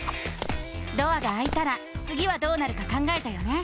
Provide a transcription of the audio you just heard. ドアがあいたらつぎはどうなるか考えたよね？